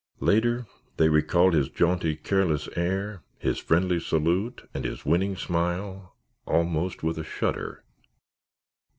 Later, they recalled his jaunty, careless air, his friendly salute and his winning smile, almost with a shudder.